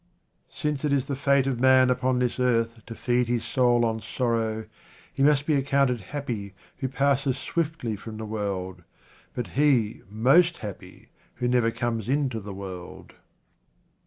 Since it is the fate of man upon this earth to feed his soul on sorrow, he must be accounted 60 QUATRAINS OF OMAR KHAYYAM happy who passes swiftly from the world, but he most happy who never comes into the world.